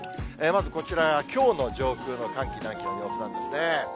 まずこちら、きょうの上空の寒気、暖気の様子なんですね。